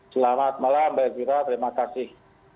selamat malam mbak elvira terima kasih